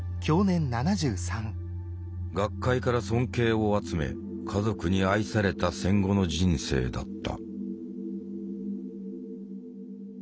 学界から尊敬を集め家族に愛された戦後の人生だった。